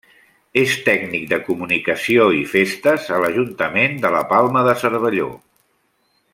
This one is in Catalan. És tècnic de comunicació i festes a l'Ajuntament de la Palma de Cervelló.